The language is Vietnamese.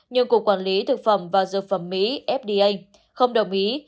nhưng cục quản lý thực phẩm và dược phẩm mỹ fda không đồng ý